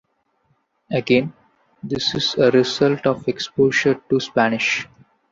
Again, this is a result of exposure to Spanish.